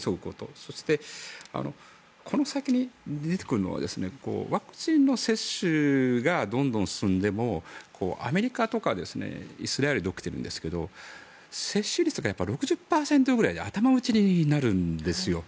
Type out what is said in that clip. そして、この先に出てくるのはワクチンの接種がどんどん進んでもアメリカとかイスラエルで起きているんですが接種率が６０％ぐらいで頭打ちになるんですよ。